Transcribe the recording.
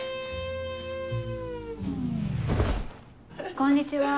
こんにちは。